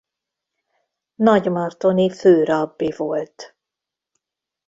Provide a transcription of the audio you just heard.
Nagymartoni főrabbi volt.